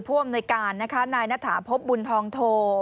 ผู้อำนวยการนายนาถาพบุญทองโท